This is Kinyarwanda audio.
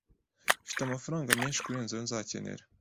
Mfite amafaranga menshi kurenza ayo nzakenera.